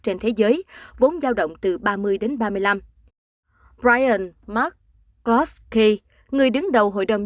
trên thế giới vốn giao động từ ba mươi đến ba mươi năm brian mccloskey người đứng đầu hội đồng